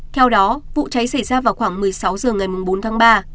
theo đó vụ cháy xảy ra vào khoảng một mươi sáu h ngày bốn tháng ba